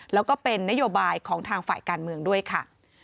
แล้วก็เป็นนโยบายของทางฝ่ายการเมืองด้วยค่ะ